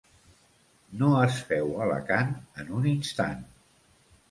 No es feu Alacant en un instant.